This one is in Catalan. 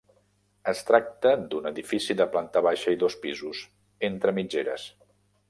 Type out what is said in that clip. Es tracta d'un edifici de planta baixa i dos pisos, entre mitgeres.